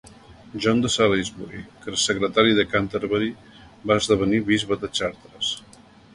John de Salisbury, secretari de Canterbury, va esdevenir bisbe de Chartres.